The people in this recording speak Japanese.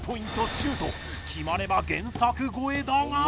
シュート決まれば原作超えだが。